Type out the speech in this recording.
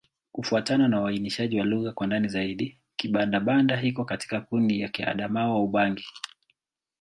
Kufuatana na uainishaji wa lugha kwa ndani zaidi, Kibanda-Banda iko katika kundi la Kiadamawa-Ubangi.